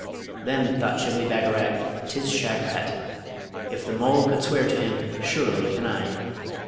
Then thought Shibli Bagarag, ''Tis Shagpat! If the mole could swear to him, surely can I.'